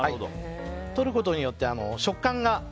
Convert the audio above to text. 取ることによって食感が。